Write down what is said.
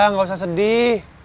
gimana gak usah sedih